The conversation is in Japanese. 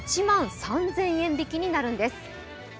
１万３０００円引きになるんです。